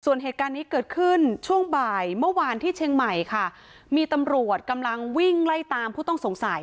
ส่วนเหตุการณ์นี้เกิดขึ้นช่วงบ่ายเมื่อวานที่เชียงใหม่ค่ะมีตำรวจกำลังวิ่งไล่ตามผู้ต้องสงสัย